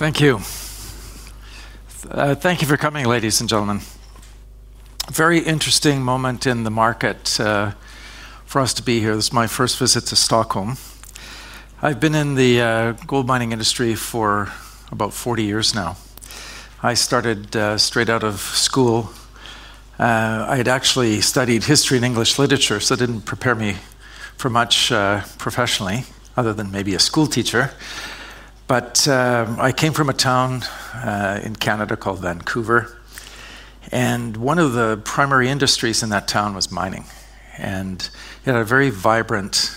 Thank you. Thank you for coming, ladies and gentlemen. Very interesting moment in the market for us to be here. This is my first visit to Stockholm. I've been in the gold mining industry for about 40 years now. I started straight out of school. I had actually studied history and English literature, so it didn't prepare me for much professionally other than maybe a schoolteacher. I came from a town in Canada called Vancouver, and one of the primary industries in that town was mining. It had a very vibrant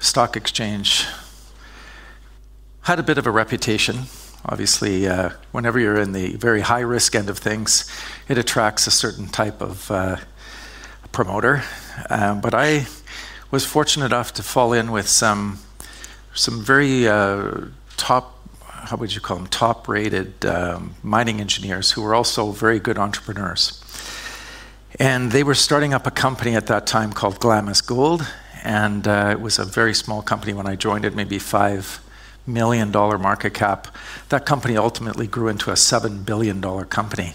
stock exchange. It had a bit of a reputation. Obviously, whenever you're in the very high-risk end of things, it attracts a certain type of promoter. I was fortunate enough to fall in with some very top, how would you call them, top-rated mining engineers who were also very good entrepreneurs. They were starting up a company at that time called Glamis Gold. It was a very small company when I joined it, maybe CND 5 million market cap. That company ultimately grew into a CND 7 billion company.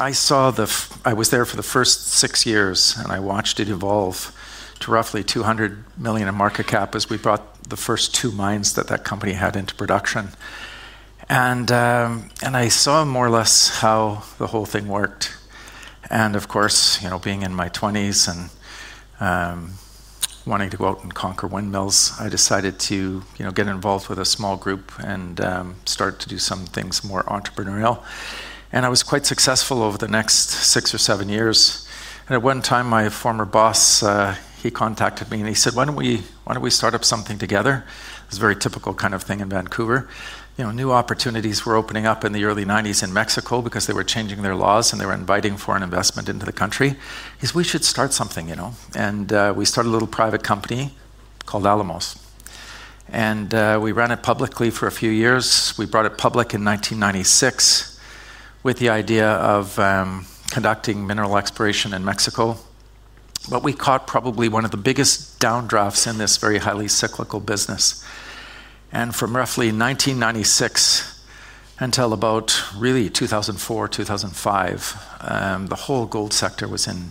I saw the, I was there for the first six years, and I watched it evolve to roughly CND 200 million in market cap as we brought the first two mines that that company had into production. I saw more or less how the whole thing worked. Of course, you know, being in my 20s and wanting to go out and conquer windmills, I decided to get involved with a small group and start to do some things more entrepreneurial. I was quite successful over the next six or seven years. At one time, my former boss contacted me and he said, "Why don't we, why don't we start up something together?" It was a very typical kind of thing in Vancouver. New opportunities were opening up in the early 1990s in Mexico because they were changing their laws and they were inviting foreign investment into the country. He said, "We should start something, you know." We started a little private company called Alamos. We ran it publicly for a few years. We brought it public in 1996 with the idea of conducting mineral exploration in Mexico. We caught probably one of the biggest down drafts in this very highly cyclical business. From roughly 1996 until about really 2004, 2005, the whole gold sector was in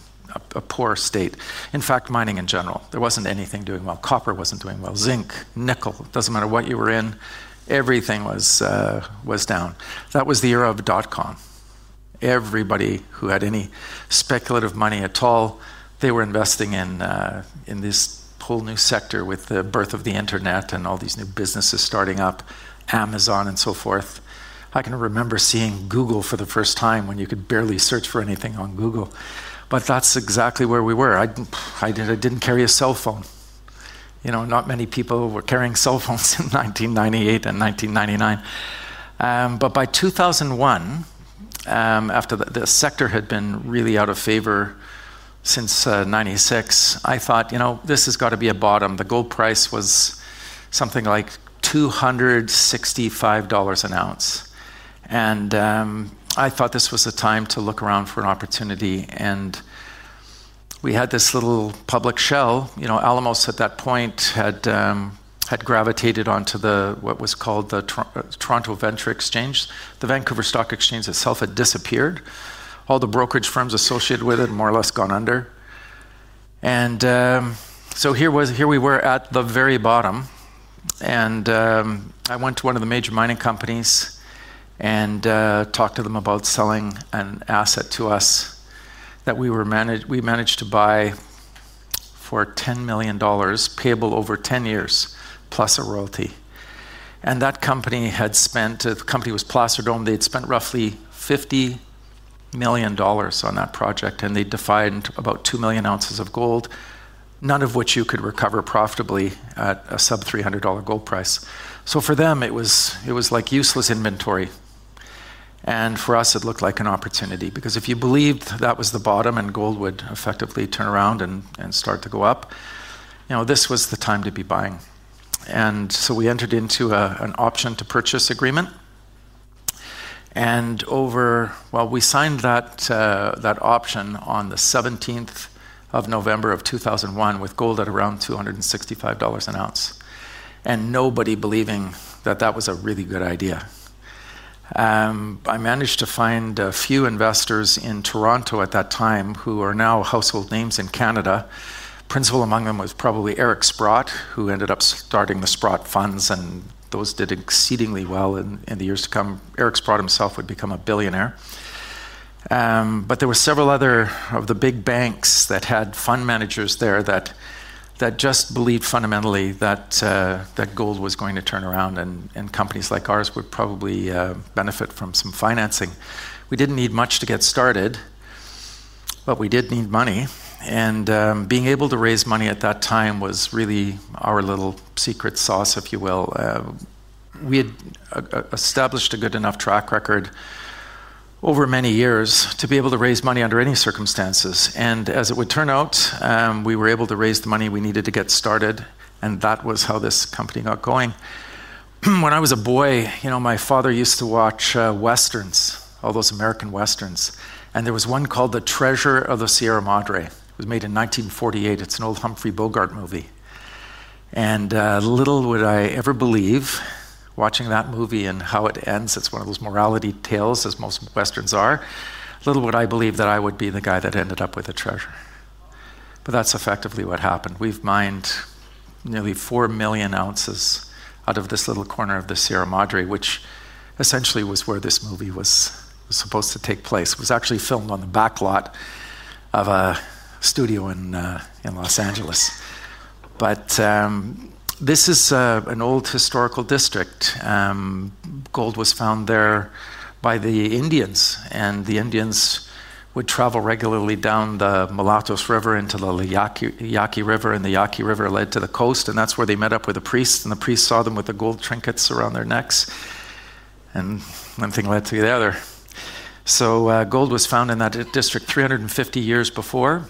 a poor state. In fact, mining in general, there wasn't anything doing well. Copper wasn't doing well. Zinc, nickel, it doesn't matter what you were in, everything was down. That was the era of dot-com. Everybody who had any speculative money at all, they were investing in this whole new sector with the birth of the internet and all these new businesses starting up, Amazon and so forth. I can remember seeing Google for the first time when you could barely search for anything on Google. That's exactly where we were. I didn't carry a cell phone. You know, not many people were carrying cell phones in 1998 and 1999. By 2001, after the sector had been really out of favor since 1996, I thought, you know, this has got to be a bottom. The gold price was something like CND 265 an ounce. I thought this was the time to look around for an opportunity. We had this little public shell. Alamos at that point had gravitated onto what was called the Toronto Venture Exchange. The Vancouver Stock Exchange itself had disappeared. All the brokerage firms associated with it had more or less gone under. Here we were at the very bottom. I went to one of the major mining companies and talked to them about selling an asset to us that we managed to buy for CND 10 million, payable over 10 years plus a royalty. That company was Placer Dome. They'd spent roughly CND 50 million on that project. They'd defined about 2 million oz of gold, none of which you could recover profitably at a sub-CND 300 gold price. For them, it was like useless inventory. For us, it looked like an opportunity because if you believed that was the bottom and gold would effectively turn around and start to go up, you know, this was the time to be buying. We entered into an option-to-purchase agreement. We signed that option on the 17th of November of 2001 with gold at around CND 265 an ounce. Nobody believing that that was a really good idea. I managed to find a few investors in Toronto at that time who are now household names in Canada. Principal among them was probably Eric Sprott, who ended up starting the Sprott Funds and those did exceedingly well in the years to come. Eric Sprott himself would become a billionaire. There were several other of the big banks that had fund managers there that just believed fundamentally that gold was going to turn around and companies like ours would probably benefit from some financing. We didn't need much to get started, but we did need money. Being able to raise money at that time was really our little secret sauce, if you will. We had established a good enough track record over many years to be able to raise money under any circumstances. As it would turn out, we were able to raise the money we needed to get started. That was how this company got going. When I was a boy, you know, my father used to watch Westerns, all those American Westerns. There was one called The Treasure of the Sierra Madre. It was made in 1948. It's an old Humphrey Bogart movie. Little would I ever believe watching that movie and how it ends, it's one of those morality tales as most Westerns are, little would I believe that I would be the guy that ended up with a treasure. That's effectively what happened. We've mined nearly 4 million oz out of this little corner of the Sierra Madre, which essentially was where this movie was supposed to take place. It was actually filmed on the back lot of a studio in Los Angeles. This is an old historical district. Gold was found there by the Indians. The Indians would travel regularly down the Mulatos River into the Yaqui River, and the Yaqui River led to the coast. That's where they met up with a priest. The priest saw them with the gold trinkets around their necks. One thing led to the other. Gold was found in that district 350 years before.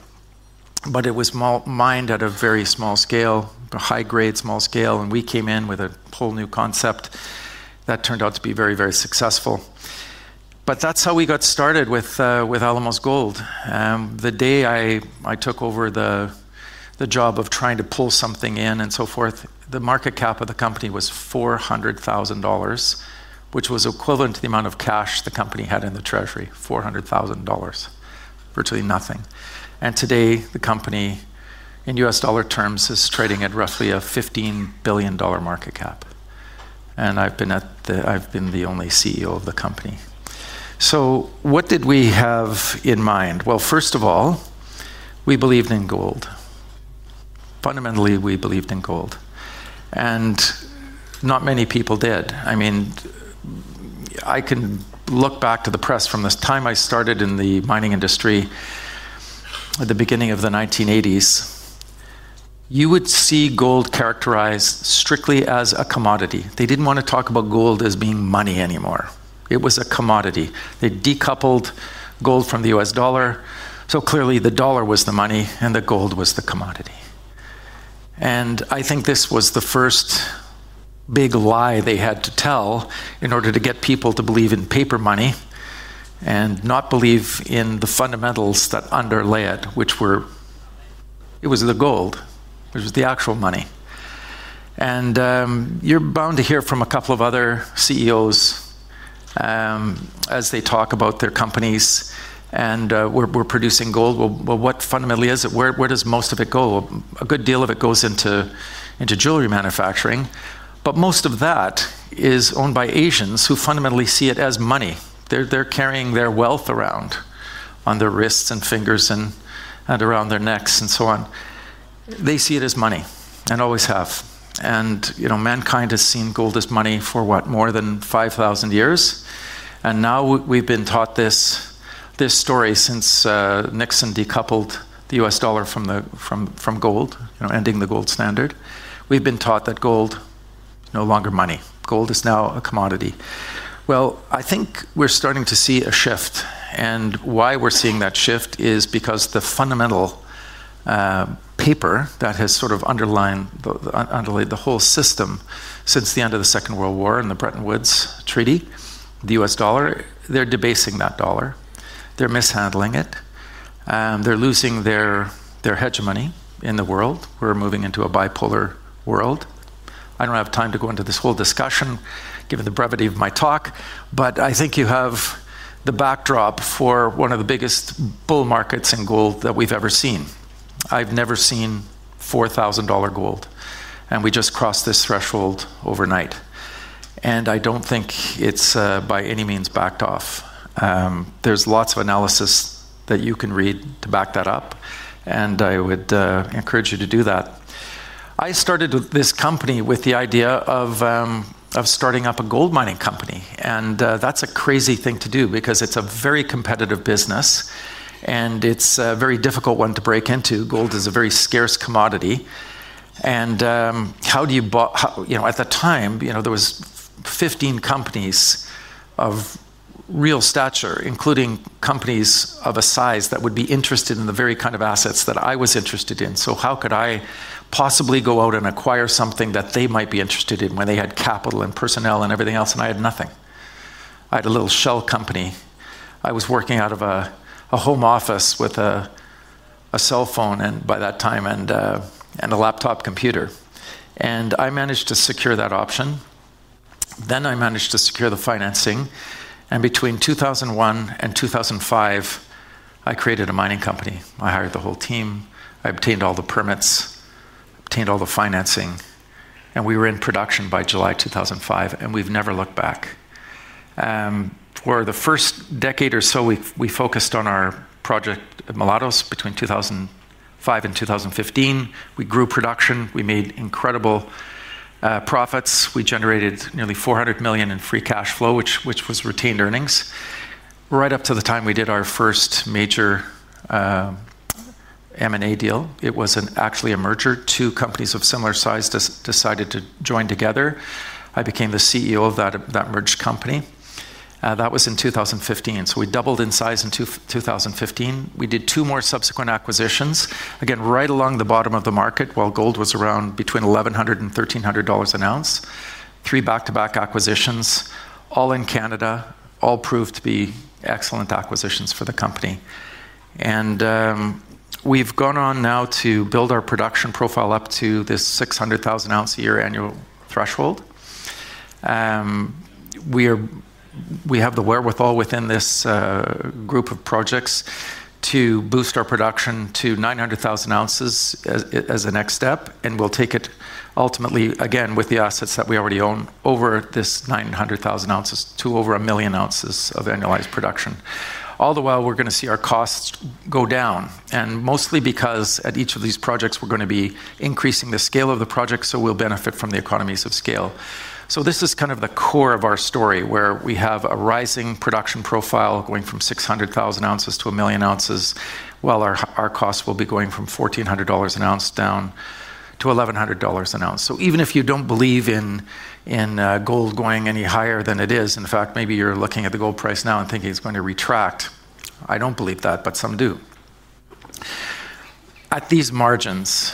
It was mined at a very small scale, a high-grade small scale. We came in with a whole new concept that turned out to be very, very successful. That's how we got started with Alamos Gold. The day I took over the job of trying to pull something in and so forth, the market cap of the company was CND 400,000, which was equivalent to the amount of cash the company had in the treasury, CND 400,000, virtually nothing. Today, the company in U.S. dollar terms is trading at roughly a $15 billion market cap. I've been the only CEO of the company. What did we have in mind? First of all, we believed in gold. Fundamentally, we believed in gold. Not many people did. I can look back to the press from the time I started in the mining industry at the beginning of the 1980s. You would see gold characterized strictly as a commodity. They didn't want to talk about gold as being money anymore. It was a commodity. They decoupled gold from the U.S. dollar. Clearly, the dollar was the money and the gold was the commodity. I think this was the first big lie they had to tell in order to get people to believe in paper money and not believe in the fundamentals that underlay it, which were, it was the gold, which was the actual money. You're bound to hear from a couple of other CEOs as they talk about their companies and we're producing gold. What fundamentally is it? Where does most of it go? A good deal of it goes into jewelry manufacturing. Most of that is owned by Asians who fundamentally see it as money. They're carrying their wealth around on their wrists and fingers and around their necks and so on. They see it as money and always have. Mankind has seen gold as money for what, more than 5,000 years. Now we've been taught this story since Nixon decoupled the U.S. dollar from gold, ending the gold standard. We've been taught that gold is no longer money. Gold is now a commodity. I think we're starting to see a shift. Why we're seeing that shift is because the fundamental paper that has sort of underlined the whole system since the end of the Second World War and the Bretton Woods Treaty, the U.S. dollar, they're debasing that dollar. They're mishandling it. They're losing their hegemony in the world. We're moving into a bipolar world. I don't have time to go into this whole discussion given the brevity of my talk. I think you have the backdrop for one of the biggest bull markets in gold that we've ever seen. I've never seen CND 4,000 gold. We just crossed this threshold overnight. I don't think it's by any means backed off. There's lots of analysis that you can read to back that up. I would encourage you to do that. I started this company with the idea of starting up a gold mining company. That's a crazy thing to do because it's a very competitive business. It's a very difficult one to break into. Gold is a very scarce commodity. At the time, there were 15 companies of real stature, including companies of a size that would be interested in the very kind of assets that I was interested in. How could I possibly go out and acquire something that they might be interested in when they had capital and personnel and everything else and I had nothing? I had a little shell company. I was working out of a home office with a cell phone by that time and a laptop computer. I managed to secure that option. Then I managed to secure the financing. Between 2001-2005, I created a mining company. I hired the whole team. I obtained all the permits, obtained all the financing. We were in production by July 2005. We've never looked back. For the first decade or so, we focused on our project at Mulatos between 2005-2015. We grew production. We made incredible profits. We generated nearly CND 400 million in free cash flow, which was retained earnings. Right up to the time we did our first major M&A deal, it was actually a merger. Two companies of similar size decided to join together. I became the CEO of that merged company. That was in 2015. We doubled in size in 2015. We did two more subsequent acquisitions, again right along the bottom of the market while gold was around between CND 1,100 and CND 1,300 an ounce. Three back-to-back acquisitions, all in Canada, all proved to be excellent acquisitions for the company. We've gone on now to build our production profile up to this 600,000 oz a year annual threshold. We have the wherewithal within this group of projects to boost our production to 900,000 oz as a next step. We'll take it ultimately, again, with the assets that we already own over this 900,000 oz to over 1 million oz of annualized production. All the while, we're going to see our costs go down, mostly because at each of these projects, we're going to be increasing the scale of the project. We'll benefit from the economies of scale. This is kind of the core of our story where we have a rising production profile going from 600,000 oz to 1 million oz, while our costs will be going from CND 1,400 an oz down to CND 1,100 an oz. Even if you don't believe in gold going any higher than it is, in fact, maybe you're looking at the gold price now and thinking it's going to retract. I don't believe that, but some do. At these margins,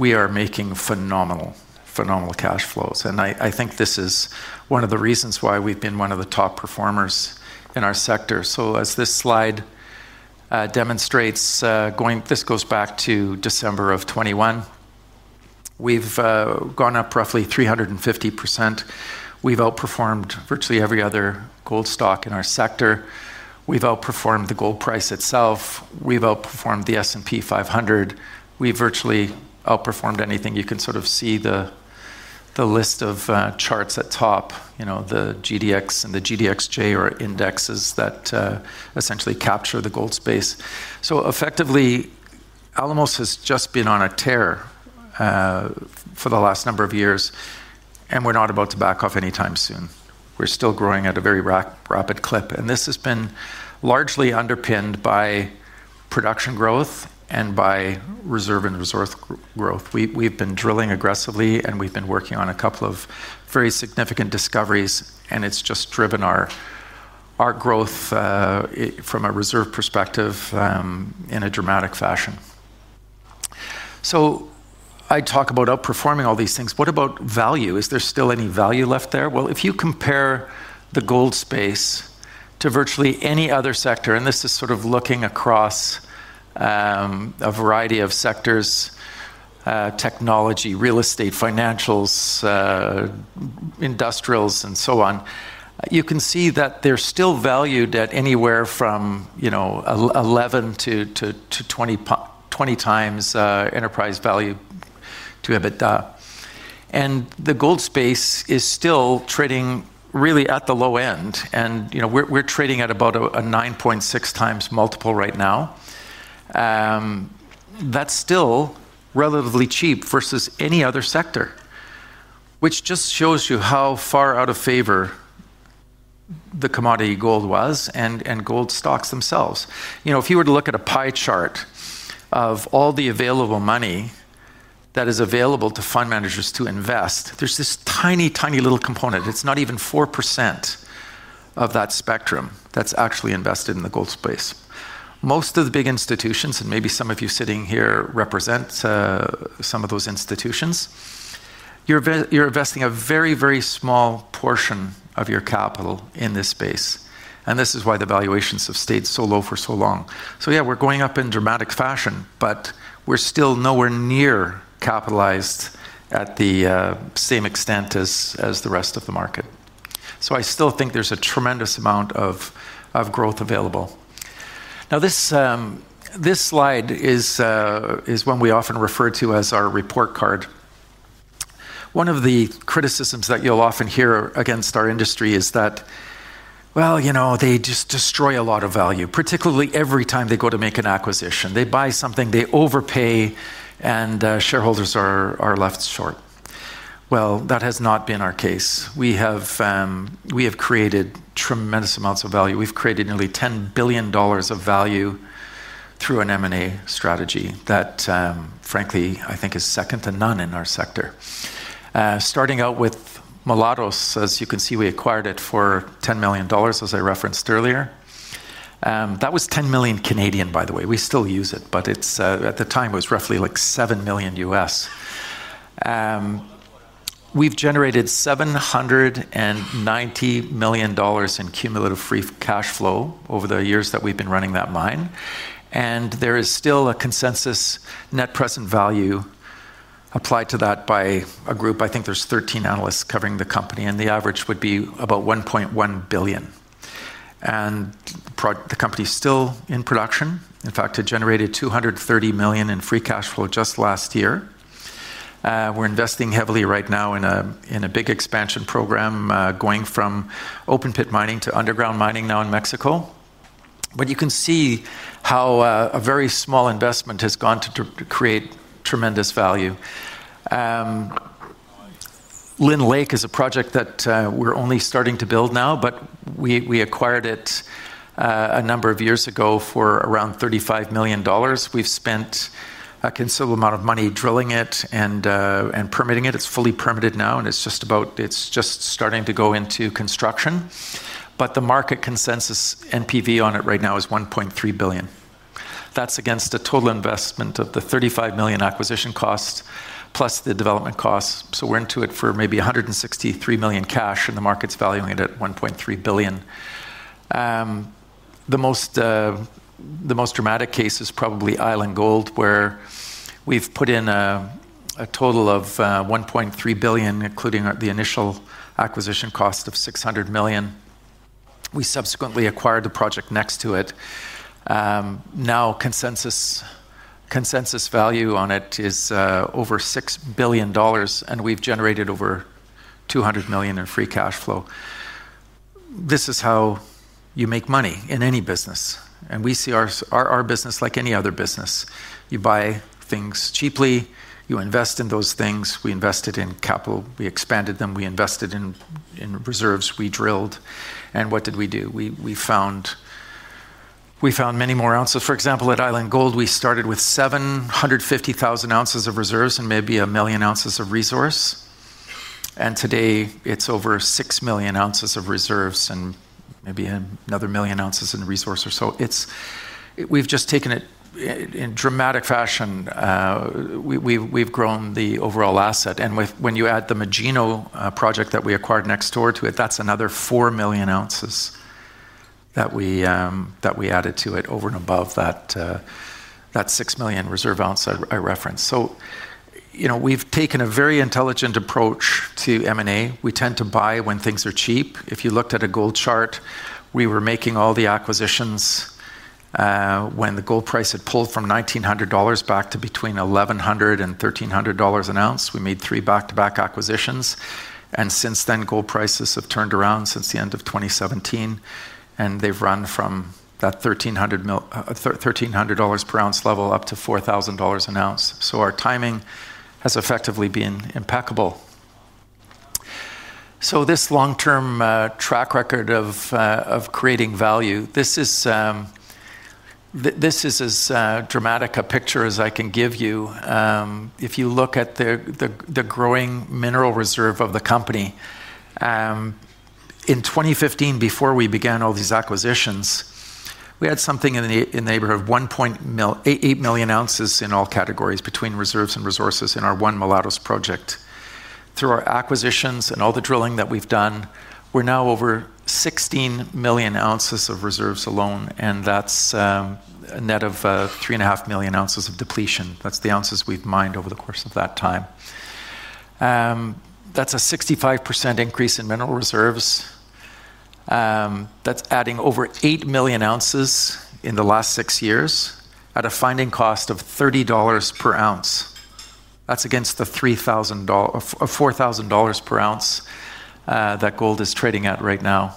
we are making phenomenal, phenomenal cash flows. I think this is one of the reasons why we've been one of the top performers in our sector. As this slide demonstrates, this goes back to December of 2021. We've gone up roughly 350%. We've outperformed virtually every other gold stock in our sector. We've outperformed the gold price itself. We've outperformed the S&P 500. We've virtually outperformed anything. You can sort of see the list of charts at top, you know, the GDX and the GDXJ are indexes that essentially capture the gold space. So effectively, Alamos has just been on a tear for the last number of years. We're not about to back off anytime soon. We're still growing at a very rapid clip. This has been largely underpinned by production growth and by reserve and resource growth. We've been drilling aggressively. We've been working on a couple of very significant discoveries. It's just driven our growth from a reserve perspective in a dramatic fashion. I talk about outperforming all these things. What about value? Is there still any value left there? If you compare the gold space to virtually any other sector, and this is sort of looking across a variety of sectors, technology, real estate, financials, industrials, and so on, you can see that they're still valued at anywhere from, you know, 11x-20x enterprise value to EBITDA. The gold space is still trading really at the low end. You know, we're trading at about a 9.6x multiple right now. That's still relatively cheap versus any other sector, which just shows you how far out of favor the commodity gold was and gold stocks themselves. If you were to look at a pie chart of all the available money that is available to fund managers to invest, there's this tiny, tiny little component. It's not even 4% of that spectrum that's actually invested in the gold space. Most of the big institutions, and maybe some of you sitting here represent some of those institutions, you're investing a very, very small portion of your capital in this space. This is why the valuations have stayed so low for so long. We're going up in dramatic fashion, but we're still nowhere near capitalized at the same extent as the rest of the market. I still think there's a tremendous amount of growth available. Now, this slide is one we often refer to as our report card. One of the criticisms that you'll often hear against our industry is that they just destroy a lot of value, particularly every time they go to make an acquisition. They buy something, they overpay, and shareholders are left short. That has not been our case. We have created tremendous amounts of value. We've created nearly CND 10 billion of value through an M&A strategy that, frankly, I think is second to none in our sector. Starting out with Mulatos, as you can see, we acquired it for CND 10 million, as I referenced earlier. That was CND 10 million Canadian, by the way. We still use it, but at the time, it was roughly like $7 million U.S. We've generated CND 790 million in cumulative free cash flow over the years that we've been running that mine. There is still a consensus net present value applied to that by a group. I think there's 13 analysts covering the company, and the average would be about CND 1.1 billion. The company is still in production. In fact, it generated CND 230 million in free cash flow just last year. We're investing heavily right now in a big expansion program going from open pit mining to underground mining now in Mexico. You can see how a very small investment has gone to create tremendous value. Lynn Lake is a project that we're only starting to build now, but we acquired it a number of years ago for around CND 35 million. We've spent a considerable amount of money drilling it and permitting it. It's fully permitted now, and it's just about, it's just starting to go into construction. The market consensus NPV on it right now is CND 1.3 billion. That's against a total investment of the CND 35 million acquisition cost plus the development cost. We're into it for maybe CND 163 million cash, and the market's valuing it at CND 1.3 billion. The most dramatic case is probably Island Gold, where we've put in a total of CND 1.3 billion, including the initial acquisition cost of CND 600 million. We subsequently acquired the project next to it. Now, consensus value on it is over CND 6 billion, and we've generated over CND 200 million in free cash flow. This is how you make money in any business. We see our business like any other business. You buy things cheaply. You invest in those things. We invested in capital. We expanded them. We invested in reserves. We drilled. What did we do? We found many more ounces. For example, at Island Gold, we started with 750,000 oz of reserves and maybe a million oz of resource. Today, it's over 6 million oz of reserves and maybe another million oz in resource or so. We've just taken it in dramatic fashion. We've grown the overall asset. When you add the Manitou project that we acquired next door to it, that's another 4 million oz that we added to it over and above that 6 million reserve ounce I referenced. We've taken a very intelligent approach to M&A. We tend to buy when things are cheap. If you looked at a gold chart, we were making all the acquisitions when the gold price had pulled from CND 1,900 back to between CND 1,100-CND 1,300 an ounce. We made three back-to-back acquisitions. Since then, gold prices have turned around since the end of 2017, and they've run from that CND 1,300 per ounce level up to CND 2,400 an ounce. Our timing has effectively been impeccable. This long-term track record of creating value, this is as dramatic a picture as I can give you. If you look at the growing mineral reserve of the company, in 2015, before we began all these acquisitions, we had something in the neighborhood of 1.8 million oz in all categories between reserves and resources in our one Mulatos project. Through our acquisitions and all the drilling that we've done, we're now over 16 million oz of reserves alone, and that's a net of 3.5 million oz of depletion. That's the ounces we've mined over the course of that time. That's a 65% increase in mineral reserves. That's adding over 8 million oz in the last six years at a finding cost of CND 30 per oz. That's against the CND 2,400 per oz that gold is trading at right now.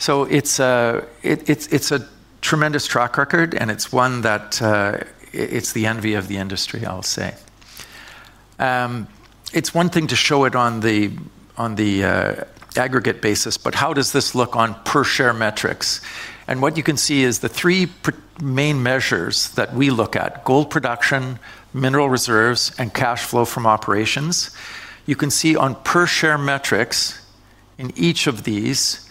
It's a tremendous track record, and it's one that is the envy of the industry, I'll say. It's one thing to show it on the aggregate basis, but how does this look on per share metrics? What you can see is the three main measures that we look at: gold production, mineral reserves, and cash flow from operations. You can see on per share metrics in each of these,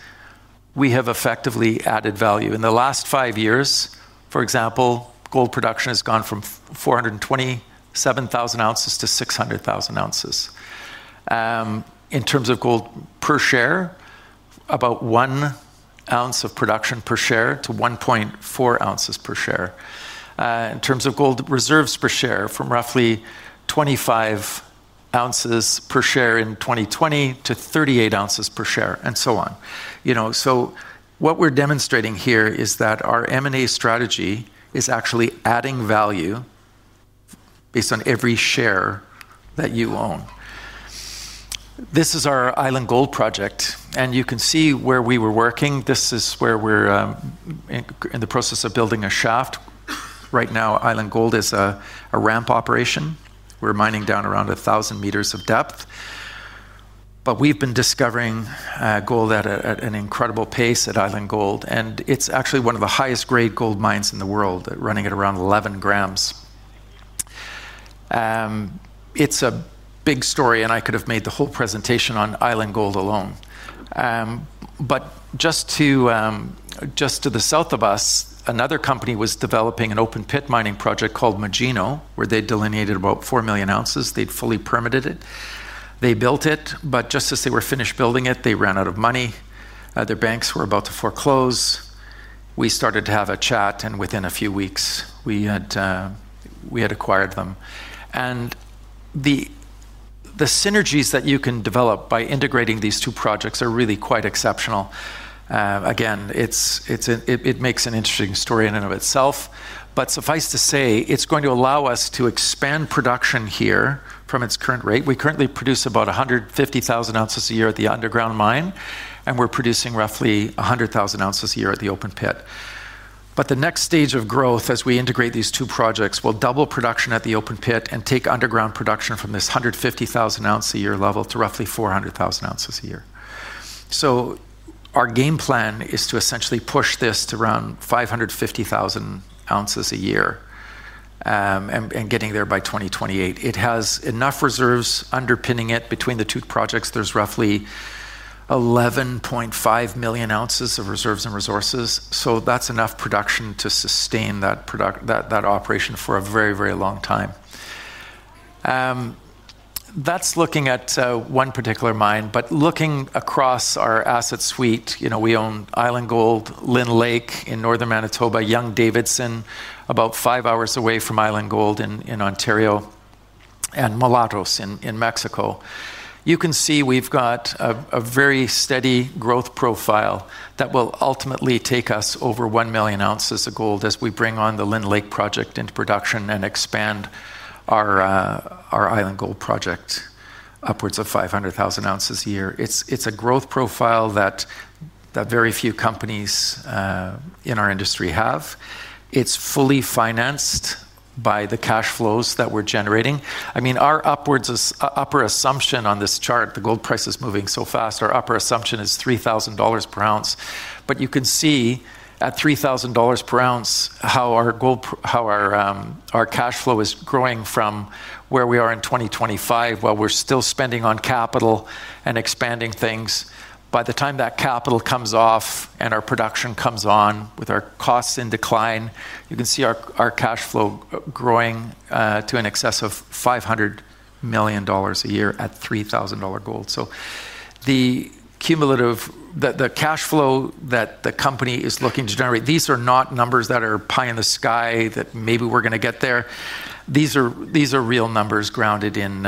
we have effectively added value. In the last five years, for example, gold production has gone from 427,000-600,000 oz. In terms of gold per share, about 1 oz of production per share to 1.4 oz per share. In terms of gold reserves per share, from roughly 25 oz per share in 2020 to 38 oz per share and so on. What we're demonstrating here is that our M&A strategy is actually adding value based on every share that you own. This is our Island Gold project, and you can see where we were working. This is where we're in the process of building a shaft. Right now, Island Gold is a ramp operation. We're mining down around 1,000 m of depth, but we've been discovering gold at an incredible pace at Island Gold. It's actually one of the highest grade gold mines in the world, running at around 11 g. It's a big story, and I could have made the whole presentation on Island Gold alone. Just to the south of us, another company was developing an open pit mining project called Manitou, where they delineated about 4 million oz. They'd fully permitted it. They built it. Just as they were finished building it, they ran out of money. Their banks were about to foreclose. We started to have a chat. Within a few weeks, we had acquired them. The synergies that you can develop by integrating these two projects are really quite exceptional. It makes an interesting story in and of itself. Suffice to say, it's going to allow us to expand production here from its current rate. We currently produce about 150,000 oz a year at the underground mine, and we're producing roughly 100,000 oz a year at the open pit. The next stage of growth, as we integrate these two projects, will double production at the open pit and take underground production from this 150,000 oz a year level to roughly 400,000 oz a year. Our game plan is to essentially push this to around 550,000 oz a year and getting there by 2028. It has enough reserves underpinning it. Between the two projects, there's roughly 11.5 million oz of reserves and resources. That's enough production to sustain that operation for a very, very long time. That's looking at one particular mine. Looking across our asset suite, we own Island Gold, Lynn Lake in Northern Manitoba, Young-Davidson, about five hours away from Island Gold in Ontario, and Mulatos in Mexico. You can see we've got a very steady growth profile that will ultimately take us over 1 million oz of gold as we bring on the Lynn Lake project into production and expand our Island Gold project upwards of 500,000 oz a year. It's a growth profile that very few companies in our industry have. It's fully financed by the cash flows that we're generating. Our upper assumption on this chart, the gold price is moving so fast, our upper assumption is CND 3,000 per oz. You can see at CND 3,000 per oz how our cash flow is growing from where we are in 2025, while we're still spending on capital and expanding things. By the time that capital comes off and our production comes on with our costs in decline, you can see our cash flow growing to an excess of CND 500 million a year at CND 3,000 gold. The cumulative, the cash flow that the company is looking to generate, these are not numbers that are pie in the sky that maybe we're going to get there. These are real numbers grounded in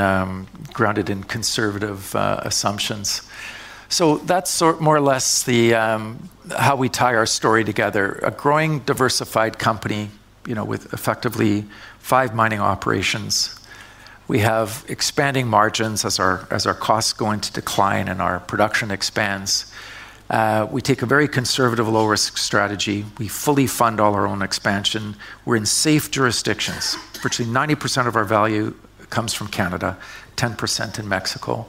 conservative assumptions. That's more or less how we tie our story together. A growing diversified company, with effectively five mining operations. We have expanding margins as our costs go into decline and our production expands. We take a very conservative low-risk strategy. We fully fund all our own expansion. We're in safe jurisdictions. Virtually 90% of our value comes from Canada, 10% in Mexico.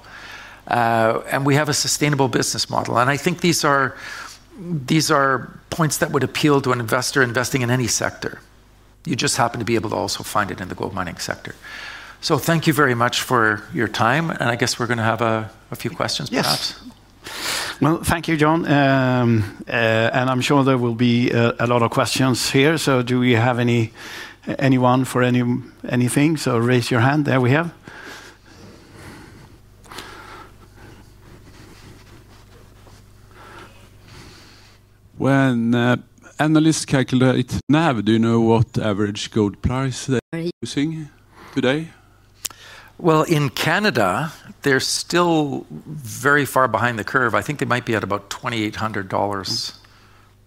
We have a sustainable business model. I think these are points that would appeal to an investor investing in any sector. You just happen to be able to also find it in the gold mining sector. Thank you very much for your time. I guess we're going to have a few questions, perhaps. Thank you, John. I'm sure there will be a lot of questions here. Do we have anyone for anything? Raise your hand. There we have. When analysts calculate now, do you know what average gold price they're using today? In Canada, they're still very far behind the curve. I think they might be at about CND 2,800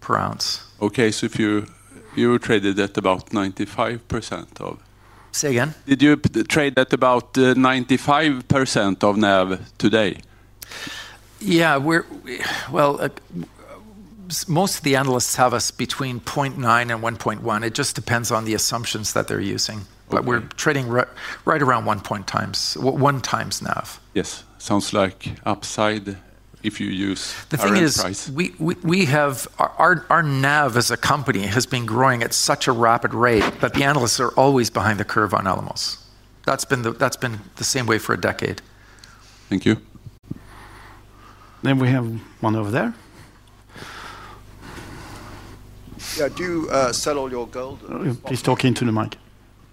per oz. the S&P 500, you would be trading at about CND 2,000 per oz. Say again? Did you trade at about 95% of NAV today? Most of the analysts have us between 0.9x-1.1x. It just depends on the assumptions that they're using. We're trading right around 1x NAV. Yes, sounds like upside if you use the current price. The thing is, our NAV as a company has been growing at such a rapid rate that the analysts are always behind the curve on Alamos. That's been the same way for a decade. Thank you. We have one over there. Yeah, do you sell all your gold? He's talking to the mic.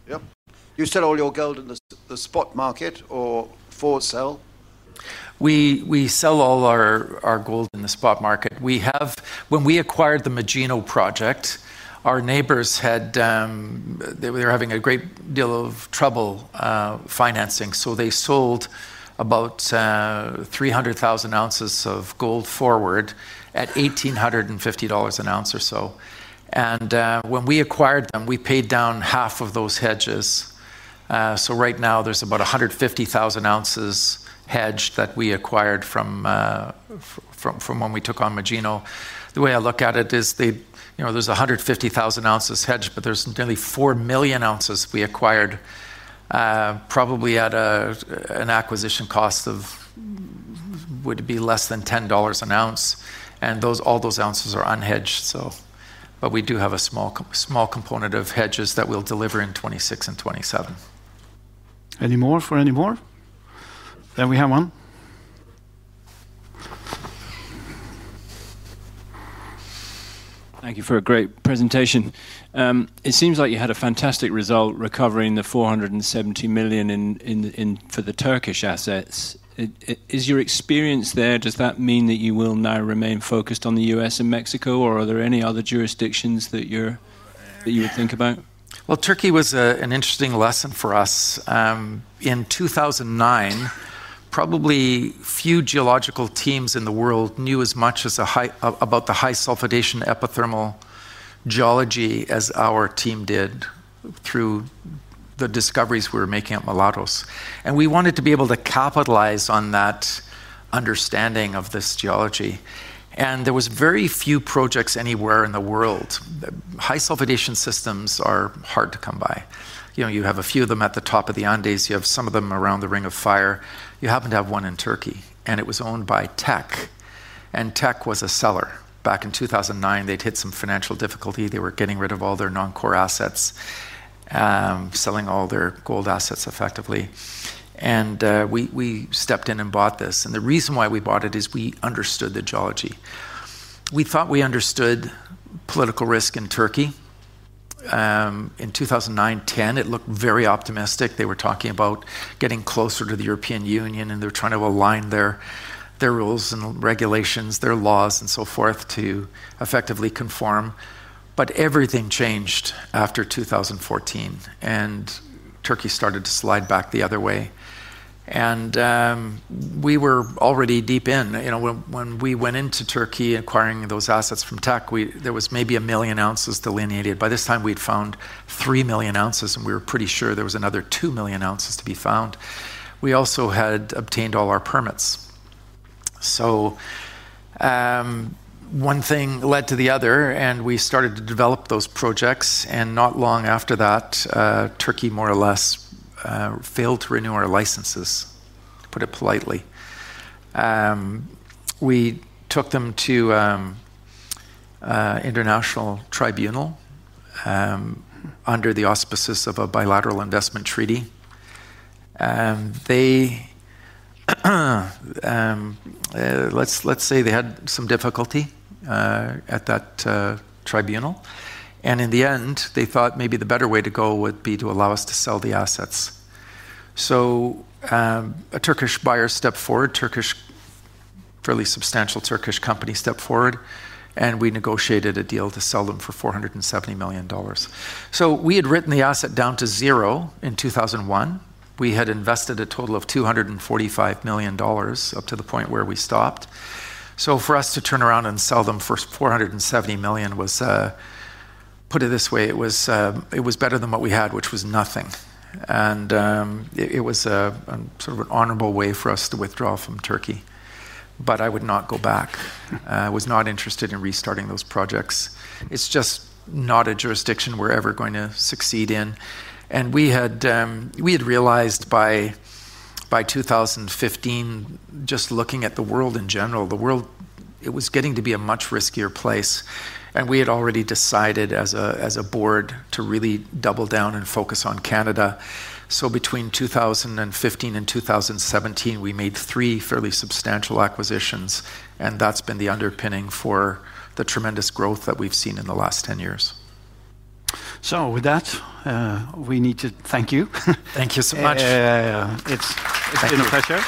Yeah. Do you sell all your gold in the spot market or for sale? We sell all our gold in the spot market. When we acquired the Manitou Gold project, our neighbors had, they were having a great deal of trouble financing. They sold about 300,000 oz of gold forward at CND 1,850 an ounce or so. When we acquired them, we paid down half of those hedges. Right now, there's about 150,000 oz hedged that we acquired from when we took on Manitou Gold. The way I look at it is, you know, there's 150,000 oz hedged, but there's nearly 4 million oz we acquired probably at an acquisition cost of, would it be less than CND 10 an ounce? All those ounces are unhedged. We do have a small component of hedges that we'll deliver in 2026 and 2027. Any more for any more? We have one. Thank you for a great presentation. It seems like you had a fantastic result recovering the CND 470 million for the Turkish assets. Is your experience there, does that mean that you will now remain focused on the U.S. and Mexico, or are there any other jurisdictions that you would think about? Turkey was an interesting lesson for us. In 2009, probably few geological teams in the world knew as much about the high sulfidation epithermal geology as our team did through the discoveries we were making at Mulatos. We wanted to be able to capitalize on that understanding of this geology. There were very few projects anywhere in the world. High sulfidation systems are hard to come by. You have a few of them at the top of the Andes. You have some of them around the Ring of Fire. You happen to have one in Turkey. It was owned by Teck. Teck was a seller. Back in 2009, they'd hit some financial difficulty. They were getting rid of all their non-core assets, selling all their gold assets effectively. We stepped in and bought this. The reason why we bought it is we understood the geology. We thought we understood political risk in Turkey. In 2009 and 2010, it looked very optimistic. They were talking about getting closer to the European Union. They were trying to align their rules and regulations, their laws, and so forth to effectively conform. Everything changed after 2014. Turkey started to slide back the other way. We were already deep in. When we went into Turkey acquiring those assets from Teck, there was maybe a million ounces delineated. By this time, we'd found 3 million oz. We were pretty sure there was another 2 million oz to be found. We also had obtained all our permits. One thing led to the other. We started to develop those projects. Not long after that, Turkey more or less failed to renew our licenses, to put it politely. We took them to an international tribunal under the auspices of a bilateral investment treaty. Let's say they had some difficulty at that tribunal. In the end, they thought maybe the better way to go would be to allow us to sell the assets. A Turkish buyer stepped forward, a fairly substantial Turkish company stepped forward. We negotiated a deal to sell them for CND 470 million. We had written the asset down to zero in 2001. We had invested a total of CND 245 million up to the point where we stopped. For us to turn around and sell them for CND 470 million was, put it this way, it was better than what we had, which was nothing. It was sort of an honorable way for us to withdraw from Turkey. I would not go back. I was not interested in restarting those projects. It's just not a jurisdiction we're ever going to succeed in. We had realized by 2015, just looking at the world in general, the world was getting to be a much riskier place. We had already decided as a board to really double down and focus on Canada. Between 2015-2017, we made three fairly substantial acquisitions. That has been the underpinning for the tremendous growth that we've seen in the last 10 years. With that, we need to thank you. Thank you so much. Yeah, yeah. It's been a pleasure.